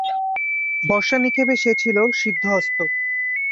বর্শা নিক্ষেপে সে ছিল সিদ্ধহস্ত।